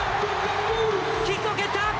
キックを蹴った。